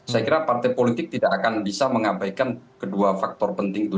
saya kira partai politik tidak akan bisa mengabaikan kedua faktor penting itu